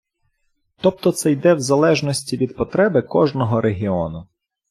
Тобто це йде в залежності від потреби кожного регіону.